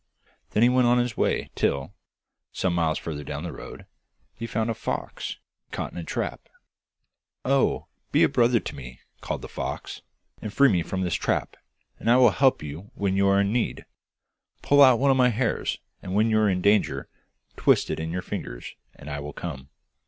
Then he went on his way till, some miles further down the road, he found a fox caught in a trap. 'Oh! be a brother to me!' called the fox, 'and free me from this trap, and I will help you when you are in need. Pull out one of my hairs, and when you are in danger twist it in your fingers, and I will come.